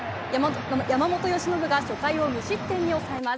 山本由伸が初回を無失点に抑えます。